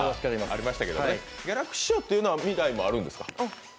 ギャラクシー賞というのは未来もあるんですか？